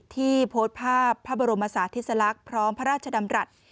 ที่โพสต์ภาพพระบรมศาสติสลักษณ์พร้อมพระราชดำรัฐ